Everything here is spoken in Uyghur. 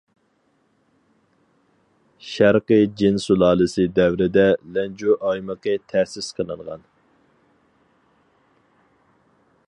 شەرقىي جىن سۇلالىسى دەۋرىدە، لەنجۇ ئايمىقى تەسىس قىلىنغان.